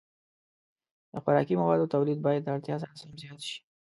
د خوراکي موادو تولید باید د اړتیا سره سم زیات شي.